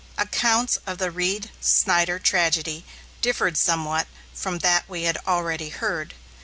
Accounts of the Reed Snyder tragedy differed somewhat from that we had already heard.